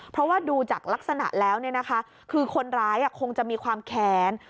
เพราะว่าดูจากลักษณะแล้วคือคนร้ายคงจะมีความแค้น